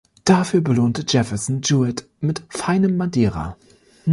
Dafür belohnte Jefferson Jouett mit feinem Madeira.